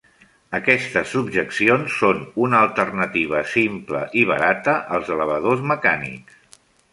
Aquestes subjeccions són una alternativa simple i barata als elevadors mecànics.